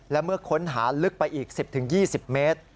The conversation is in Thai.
และเมื่อค้นหาลึกไปอีก๑๐๒๐เมตร